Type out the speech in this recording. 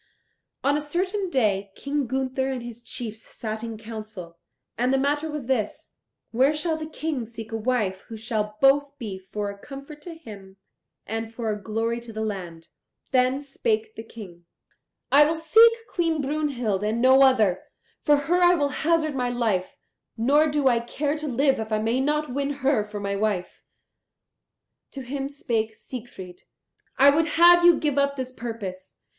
On a certain day King Gunther and his chiefs sat in council, and the matter was this where shall the King seek a wife who shall both be for a comfort to him and for a glory to the land? Then spake the King, "I will seek Queen Brunhild and no other. For her will I hazard my life; nor do I care to live if I may not win her for my wife." To him spake Siegfried, "I would have you give up this purpose.